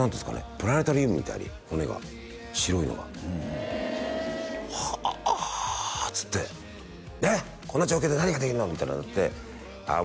プラネタリウムみたいに骨が白いのが「はあ」っつって「ねっこんな状況で何ができるの」みたいになってああ